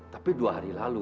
tapi dua hari lalu